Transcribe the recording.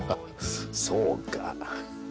そうか。